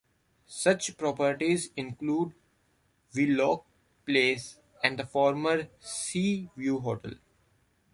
Such properties include Wheelock Place and the former Seaview Hotel.